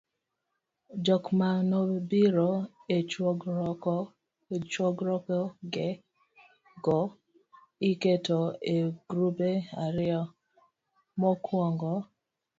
jokmanobiro e chokruogego iketo e grube ariyo: mokuongo